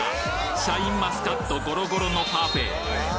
シャインマスカットごろごろのパフェ